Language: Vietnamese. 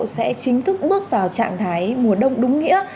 sẽ chính thức bước vào trạng thái mùa đông đúng nghĩa